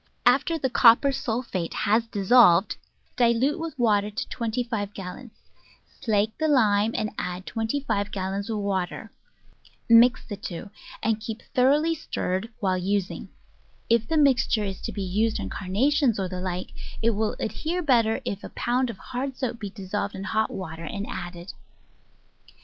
After the copper sulphate has dissolved, dilute with water to twenty five gallons; slake the lime, and add twenty Digitized by Google 250 The Flower Garden [Chapter five gallons of water; mix the two, and keep thor oughly stirred while using. If the mixture is to be used on Carnations, or the like, it will adhere better if a pound of hard soap be dissolved in hot water and added.